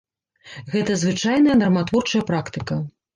Гэта звычайная нарматворчая практыка.